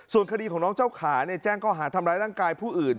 ส่วนคดีของน้องเจ้าขาแจ้งข้อหาทำร้ายร่างกายผู้อื่น